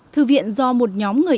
thư viện do một nhóm người yêu thương